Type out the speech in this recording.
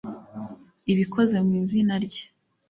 ibikoze mu izina rye